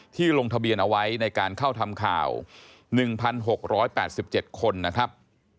ลงทะเบียนเอาไว้ในการเข้าทำข่าว๑๖๘๗คนนะครับ